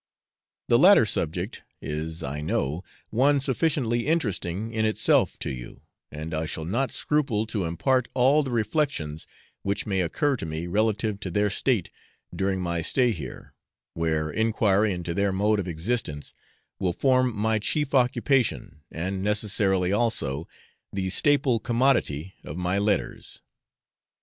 The latter subject is, I know, one sufficiently interesting in itself to you, and I shall not scruple to impart all the reflections which may occur to me relative to their state during my stay here, where enquiry into their mode of existence will form my chief occupation, and, necessarily also, the staple commodity of my letters.